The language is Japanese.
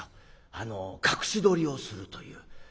隠しどりをするという。